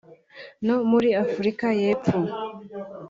no muri Afurika y’Epfo